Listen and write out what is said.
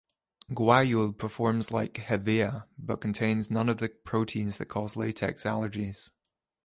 Guayule performs like "Hevea" but contains none of the proteins that cause latex allergies.